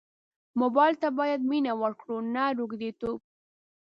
موبایل ته باید مینه ورکړو نه روږديتوب.